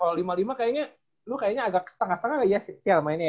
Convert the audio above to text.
kalau lima puluh lima kayaknya lu kayaknya agak setengah setengah iya mainnya ya